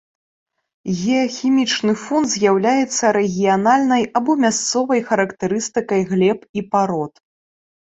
Геахімічны фон з'яўляецца рэгіянальнай або мясцовай характарыстыкай глеб і парод.